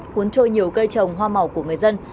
cuốn trôi nhiều cây trồng hoa màu của người dân